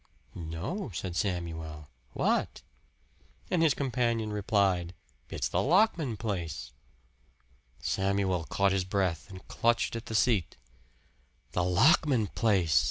"No," said Samuel. "What?" And his companion replied, "It's the Lockman place." Samuel caught his breath and clutched at the seat. "The Lockman place!"